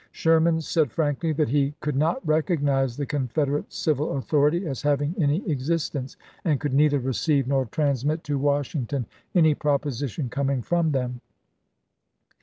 1 Sherman said frankly that he could not recognize the Confederate civil authority as having any existence, and could neither receive nor transmit to Washington any proposition coming from them.